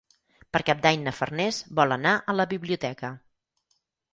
Per Cap d'Any na Farners vol anar a la biblioteca.